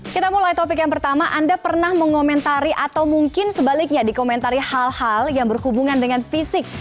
kita mulai topik yang pertama anda pernah mengomentari atau mungkin sebaliknya dikomentari hal hal yang berhubungan dengan fisik